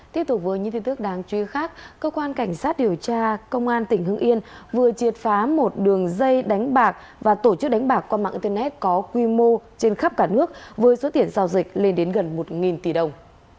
tiếp tục với những tin tức đáng chú ý khác cơ quan cảnh sát điều tra công an tỉnh hưng yên vừa triệt phá một đường dây đánh bạc và tổ chức đánh bạc qua mạng internet có quy mô trên khắp cả nước với số tiền giao dịch lên đến gần một tỷ đồng